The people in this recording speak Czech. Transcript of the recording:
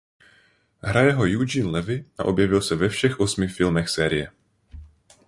Hraje ho Eugene Levy a objevil se ve všech osmi filmech série.